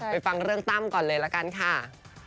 ฟังเรื่องตั้มก่อนเลยละกันค่ะ